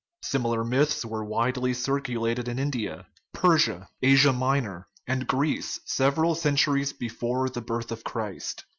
Similar myths were widely circulated in India, Persia, Asia Minor, and Greece several centuries before the birth of Christ.